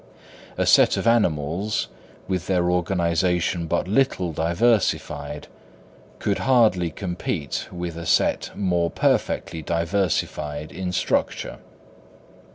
A set of animals, with their organisation but little diversified, could hardly compete with a set more perfectly diversified in structure.